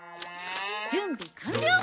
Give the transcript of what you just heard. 準備完了！